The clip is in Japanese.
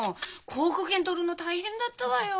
航空券を取るの大変だったわよ。